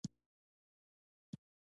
ایا درمل مو پیل کړي دي؟